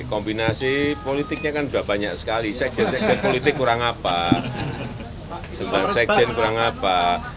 kombinasi politiknya kan udah banyak sekali sekjen sekjen politik kurang apa sempat sekjen kurang apa